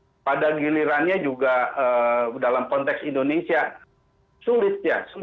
tapi pada gilirannya juga dalam konteks indonesia sulit ya